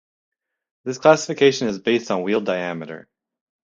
This classification is based on wheel diameter.